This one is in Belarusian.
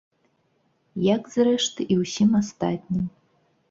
Як, зрэшты, і ўсім астатнім.